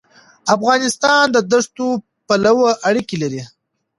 افغانستان د دښتو پلوه اړیکې لري.